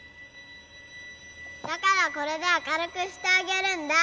だからこれで明るくしてあげるんだ！